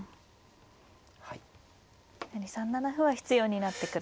３七歩は必要になってくる。